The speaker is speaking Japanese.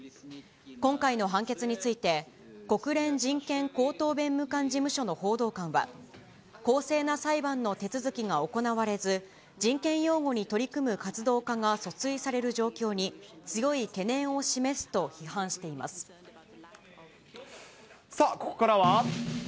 今回の判決について、国連人権高等弁務官事務所の報道官は、公正な裁判の手続きが行われず、人権擁護に取り組む活動家が訴追される状況に、強い懸念を示すとさあ、ここからは。